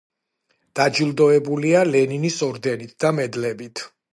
დაჯილდოებულია ლენინის ორდენით და მედლებით.